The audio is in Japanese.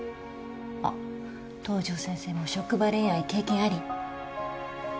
あっ東上先生も職場恋愛経験あり？